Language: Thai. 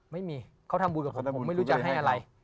ไม่มีเขาทำบุญกับเขาแต่ผมไม่รู้จะให้อะไร